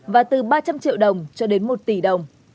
và từ ba trăm linh triệu đồng cho đến một tỷ đồng